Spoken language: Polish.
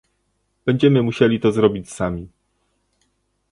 Będziemy musieli to zrobić sami